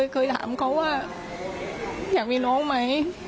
เคยถามเขาว่าอยากมีน้องไหม